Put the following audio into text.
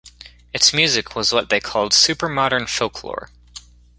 Its music was what they called "supermodern folklore".